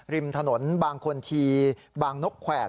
ริมถนนบางคนทีบางนกแขวก